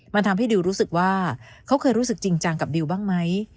มันทำให้ดิวรู้สึกว่าเขาเคยรู้สึกจริงจังกับดิวบ้างไหม